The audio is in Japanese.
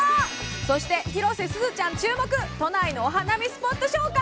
そして、広瀬すずちゃん注目、都内のお花見スポット紹介。